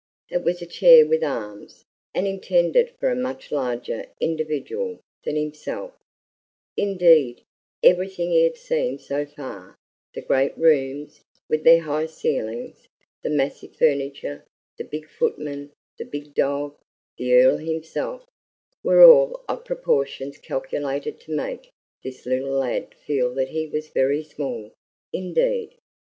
It was a chair with arms, and intended for a much larger individual than himself; indeed, everything he had seen so far, the great rooms, with their high ceilings, the massive furniture, the big footman, the big dog, the Earl himself, were all of proportions calculated to make this little lad feel that he was very small, indeed.